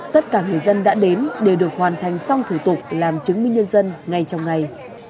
tất cả người dân đã đến đều được hoàn thành xong thủ tục làm chứng minh nhân dân ngay trong ngày